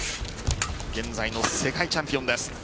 現在の世界チャンピオンです。